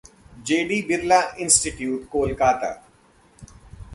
JD Birla institute, Kolkata